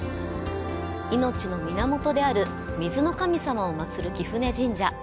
命の源である水の神様を祭る貴船神社。